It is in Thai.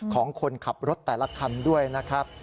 ของคนขับรถแต่ละคันด้วยนะครับ